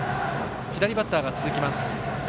左バッターが続きます。